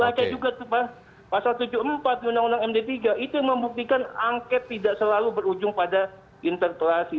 baca juga tuh pak pasal tujuh puluh empat undang undang md tiga itu yang membuktikan angket tidak selalu berujung pada interpelasi